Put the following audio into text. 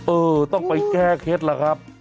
เออต้องไปแก้เคล็ดล่ะครับ